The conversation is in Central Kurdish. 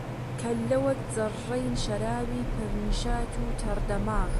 کەللە وەک جەڕڕەی شەرابی پر نیشات و تەڕ دەماغ